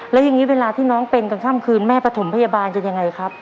แล้วอย่างนี้เวลาที่น้องเป็นกลางค่ำคืนแม่ปฐมพยาบาลกันยังไงครับ